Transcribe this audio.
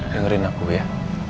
dengerin aku ya